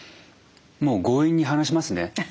もう強引に話しますね。